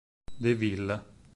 De Ville